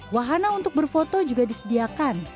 wahana untuk berfoto juga disediakan